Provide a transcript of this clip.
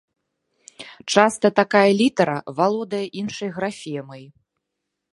Часта такая літара валодае іншай графемай.